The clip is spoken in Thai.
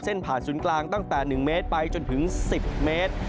ผ่านศูนย์กลางตั้งแต่๑เมตรไปจนถึง๑๐เมตร